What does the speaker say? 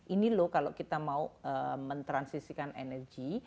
ini loh kalau kita mau mentransisikan energi